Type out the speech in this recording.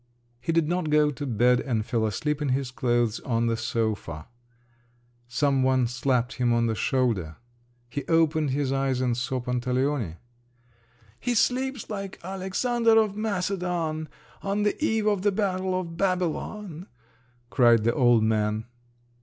He did not go to bed, and fell asleep in his clothes on the sofa. Some one slapped him on the shoulder…. He opened his eyes, and saw Pantaleone. "He sleeps like Alexander of Macedon on the eve of the battle of Babylon!" cried the old man.